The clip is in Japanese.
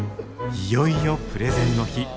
いよいよプレゼンの日。